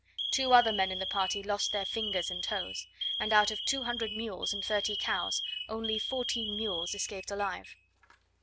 Two other men in the party lost their fingers and toes; and out of two hundred mules and thirty cows, only fourteen mules escaped alive.